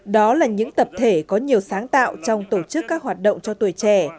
đó là những tập thể có nhiều sáng tạo trong tổ chức các hoạt động cho tuổi trẻ